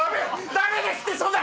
ダメですってそんな！